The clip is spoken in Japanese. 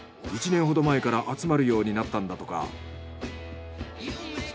１年ほど前から集まるようになったんだとか。